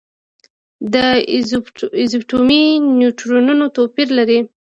د ایزوټوپونو نیوټرونونه توپیر لري.